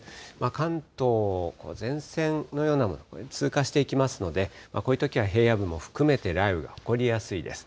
関東、前線のようなものが通過していきますので、こういうときは平野部も含めて雷雨が起こりやすいです。